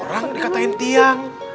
orang dikatain tiang